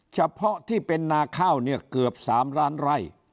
เฉพาะที่เป็นนาข้าวเนี่ยเกือบ๓ล้านไร่